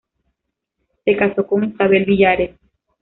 Se casó con Isabel Villares.